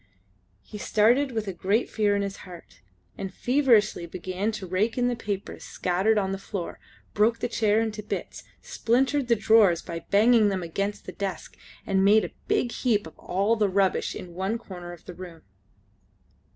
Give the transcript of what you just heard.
He started with a great fear in his heart, and feverishly began to rake in the papers scattered on the floor, broke the chair into bits, splintered the drawers by banging them against the desk, and made a big heap of all that rubbish in one corner of the room.